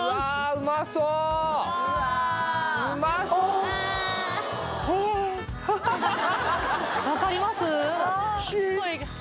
うまそうわかります？